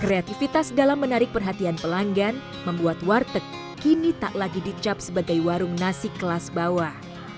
kreativitas dalam menarik perhatian pelanggan membuat warteg kini tak lagi dicap sebagai warung nasi kelas bawah